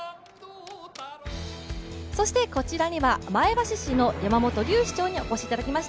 こちらには前橋市の山本龍市長にお越しいただきました。